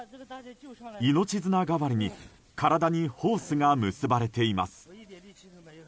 命綱の代わりに体にロープが結ばれています。